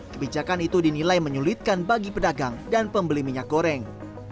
kebijakan itu dinilai menyulitkan bagi pedagang dan pembeli minyak goreng